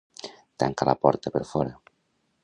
Tanca la porta per fora.